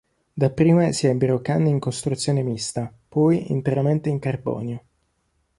Dapprima si ebbero canne in costruzione mista, poi interamente in carbonio.